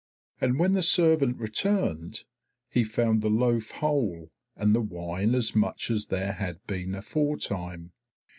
And when the servant returned, he found the loaf whole, and the wine as much as there had been aforetime.